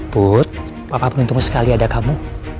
put papa pening tunggu sekali ada kamu